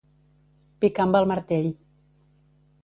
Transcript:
Picar amb el martell.